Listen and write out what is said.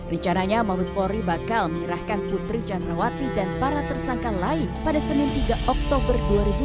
rencananya mabes polri bakal menyerahkan putri candrawati dan para tersangka lain pada senin tiga oktober dua ribu dua puluh